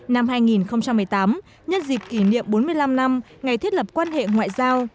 năm hai nghìn một mươi tám nhân dịp kỷ niệm bốn mươi năm năm ngày thiết lập quan hệ ngoại giao